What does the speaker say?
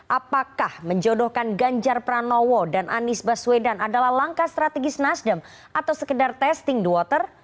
apakah menjodohkan ganjar pranowo dan anies baswedan adalah langkah strategis nasdem atau sekedar testing the water